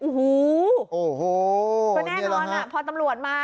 โอ้โหโอ้โหก็แน่นอนพอตำรวจมา